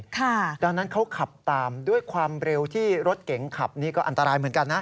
ดังนั้นเขาขับตามด้วยความเร็วที่รถเก๋งขับนี่ก็อันตรายเหมือนกันนะ